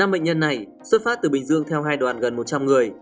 năm bệnh nhân này xuất phát từ bình dương theo hai đoàn gần một trăm linh người